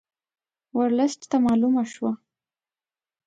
ورلسټ ته معلومه شوه.